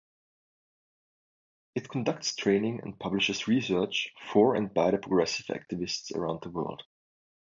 It conducts training and publishes research for and by progressive activists around the world.